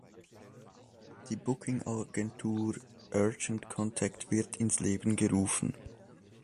Die Booking-Agentur „urgent contact“ wird ins Leben gerufen.